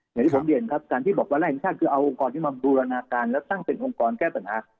อย่างที่ผมเรียนครับการที่บอกวันแรกแห่งชาติคือเอาองค์กรที่มาบูรณาการแล้วตั้งเป็นองค์กรแก้ปัญหา